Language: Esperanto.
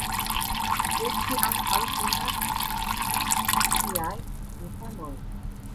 Tie ĉi ankaŭ ŝi naskis siajn infanojn.